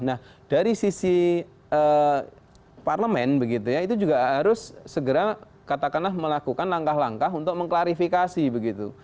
nah dari sisi parlemen begitu ya itu juga harus segera katakanlah melakukan langkah langkah untuk mengklarifikasi begitu